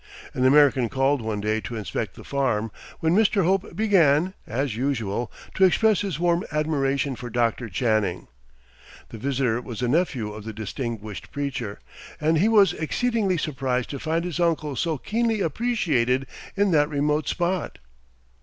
An American called one day to inspect the farm, when Mr. Hope began, as usual, to express his warm admiration for Dr. Channing. The visitor was a nephew of the distinguished preacher, and he was exceedingly surprised to find his uncle so keenly appreciated in that remote spot.